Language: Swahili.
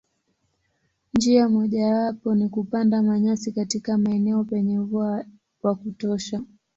Njia mojawapo ni kupanda manyasi katika maeneo penye mvua wa kutosha.